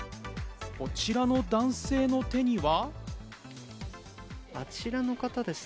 こちらの男性の手には。